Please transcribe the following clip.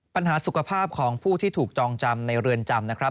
ปัญหาสุขภาพของผู้ที่ถูกจองจำในเรือนจำนะครับ